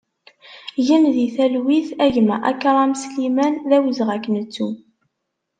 Gen di talwit a gma Akram Sliman, d awezɣi ad k-nettu!